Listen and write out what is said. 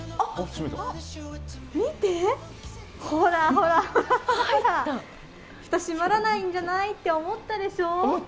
見て、ほらほらほら。蓋閉まらないんじゃない？って思ったでしょう？